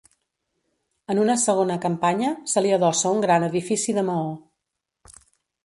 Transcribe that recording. En una segona campanya, se li adossa un gran edifici de maó.